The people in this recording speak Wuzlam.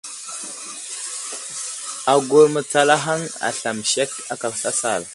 Agur mətsalahaŋ aslam sek aka sasal.